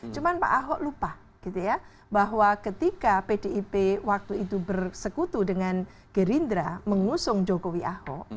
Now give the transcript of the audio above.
cuma pak ahok lupa gitu ya bahwa ketika pdip waktu itu bersekutu dengan gerindra mengusung jokowi ahok